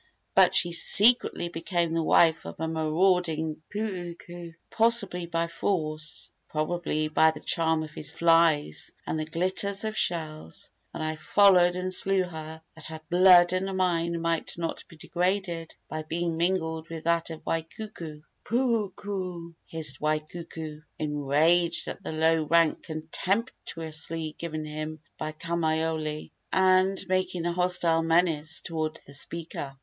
But she secretly became the wife of a marauding puuku possibly by force, probably by the charm of lies and the glitter of shells and I followed and slew her, that her blood and mine might not be degraded by being mingled with that of Waikuku!" "Puuku!" hissed Waikuku, enraged at the low rank contemptuously given him by Kamaiole, and making a hostile menace toward the speaker.